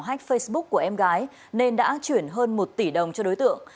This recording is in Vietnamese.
hách facebook của em gái nên đã chuyển hơn một tỷ đồng cho đối tượng